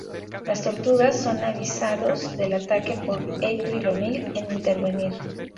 Las tortugas, son avisados del ataque por April O'Neil, en intervenir.